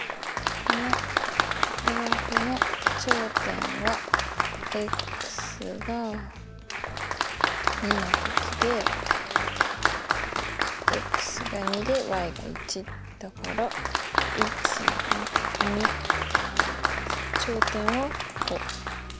このグラフの頂点はが２のときでが２でが１だから１２２頂点はここ。